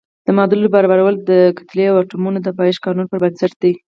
د معادلو برابرول د کتلې او اتومونو د پایښت قانون پر بنسټ دي.